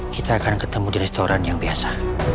kita akan ketemu di restoran yang biasa